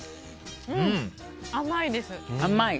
甘いです。